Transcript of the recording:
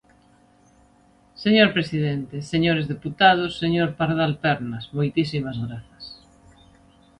Señor presidente, señores deputados, señor Pardal Pernas, moitísimas grazas.